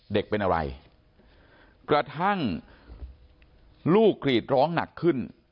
เด็กเป็นอะไรกระทั่งลูกกรีดร้องหนักขึ้น